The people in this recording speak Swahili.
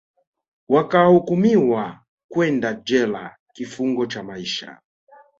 wakahukumiwa kwenda jela kifungo cha maisha